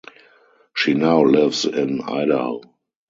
She now lives in Idaho.